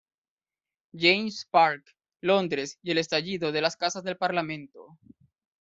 James's Park, Londres y el estallido de las casas del parlamento.